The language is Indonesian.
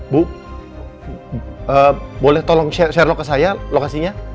bu boleh tolong share log ke saya lokasinya